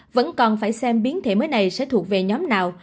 vẫn còn phải xem biến thể mới này sẽ thuộc về nhóm nào